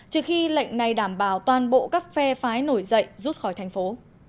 trước khi lệnh này đảm bảo toàn bộ các phe phái nổi dậy rút khỏi thành phố